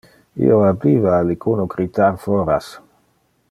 Io audiva alicuno critar. foras.